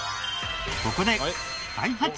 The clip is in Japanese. ここで。